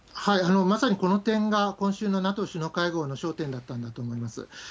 まさにこの点が、今週のＮＡＴＯ首脳会合の焦点になったんだと思います。